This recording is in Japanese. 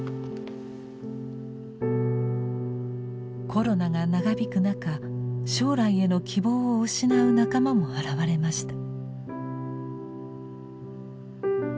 コロナが長引く中将来への希望を失う仲間も現れました。